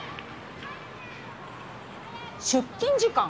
出勤時間？